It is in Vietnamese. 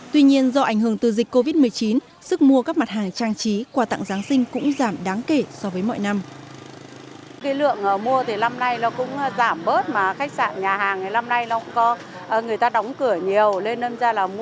tuy nhiên do ảnh hưởng từ dịch covid một mươi chín sức mua các mặt hàng trang trí quà tặng giáng sinh cũng giảm đáng kể so với mọi năm